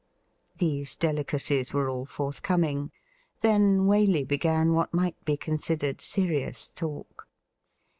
These delicacies were all forthcoming. Then Waley began what might be considered serious talk.